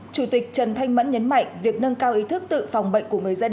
chủ tịch trần thanh mẫn nhấn mạnh việc nâng cao ý thức tự phòng bệnh của người dân